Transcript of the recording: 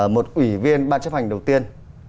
một ủy viên ban chấp hành đầu tiên